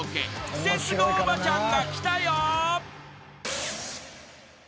［クセスゴおばちゃんが来たよ］